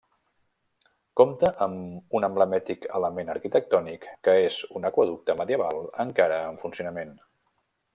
Compta amb un emblemàtic element arquitectònic que és un aqüeducte medieval encara en funcionament.